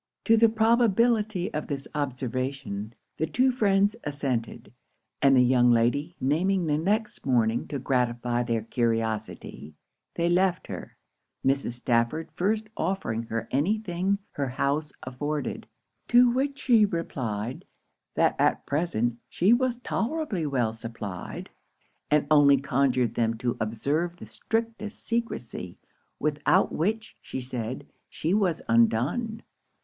To the probability of this observation, the two friends assented; and the young lady naming the next morning to gratify their curiosity, they left her, Mrs. Stafford first offering her any thing her house afforded. To which she replied, that at present she was tolerably well supplied, and only conjured them to observe the strictest secresy, without which, she said, she was undone.